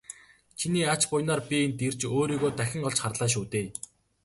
Чиний ач буянаар би энд ирж өөрийгөө дахин олж харлаа шүү дээ.